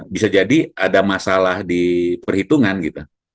bisa jadi ada masalah di perhitungan gitu